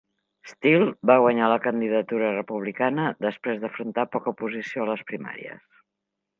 Steele va guanyar la candidatura republicana després d'afrontar poca oposició a les primàries.